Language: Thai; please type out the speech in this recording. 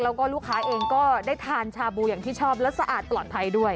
แล้วก็ลูกค้าเองก็ได้ทานชาบูอย่างที่ชอบและสะอาดปลอดภัยด้วย